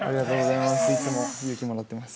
いつも勇気もらってます。